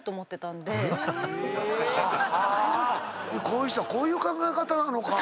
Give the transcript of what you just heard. こういう人はこういう考え方なのか。